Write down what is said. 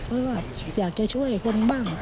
เพราะว่าอยากจะช่วยคนบ้าง